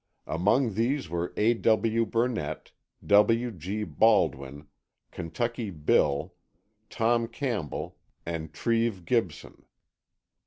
Among these were A. W. Burnett, W. G. Baldwin, Kentucky Bill, Tom Campbell and Treve Gibson.